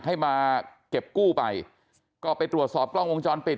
ให้มาเก็บกู้ไปก็ไปตรวจสอบกล้องวงจรปิด